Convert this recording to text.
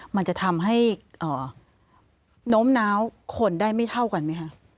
มันจะทำให้โน้มน้าวคนได้ไม่เท่ากันไหมคะ